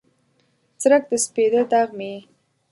څرک د سپیده داغ مې یې